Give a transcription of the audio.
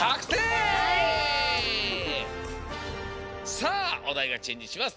さあおだいがチェンジします！